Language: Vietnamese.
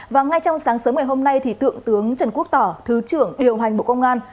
và ngay trong sáng sớm ngày hôm nay thượng tướng trần quốc tỏ thứ trưởng điều hành bộ công an